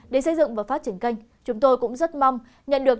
để xây dựng và phát triển kênh chúng tôi cũng rất mong nhận được